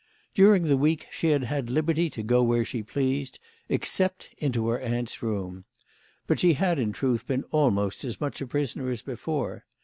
During the week she had had liberty to go where she pleased, except into her aunt's room. But she had, in truth, been almost as much a prisoner as before.